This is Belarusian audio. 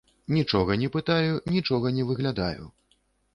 Нічога не пытаю, нічога не выглядаю.